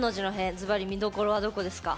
ずばり見どころはどこですか？